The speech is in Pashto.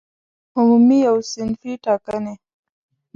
عمومي او صنفي ټاکنې